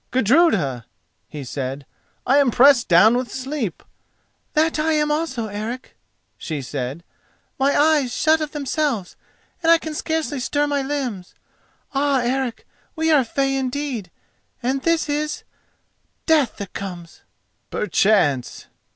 "Gudruda," he said, "I am pressed down with sleep." "That I am also, Eric," she said. "My eyes shut of themselves and I can scarcely stir my limbs. Ah, Eric, we are fey indeed, and this is—death that comes!" "Perchance!"